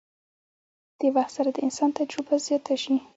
د وخت سره د انسان تجربه زياته شي